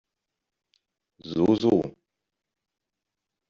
So, so.